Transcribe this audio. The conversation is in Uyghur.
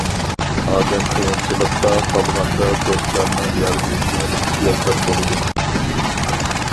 ئادەم قىيىنچىلىقتا قالغاندا دوستلارنىڭ ياردىمىگە ئېھتىياجلىق بولىدۇ.